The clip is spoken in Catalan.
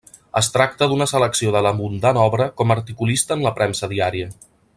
Es tracta d'una selecció de l'abundant obra com a articulista en la premsa diària.